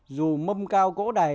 dù mâm cao cổ đầy